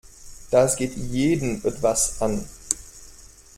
Das geht jeden etwas an.